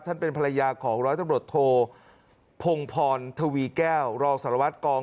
เป็นภรรยาของร้อยตำรวจโทพงพรทวีแก้วรองสารวัตรกอง